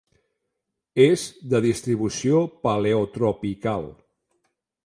És de distribució paleotropical.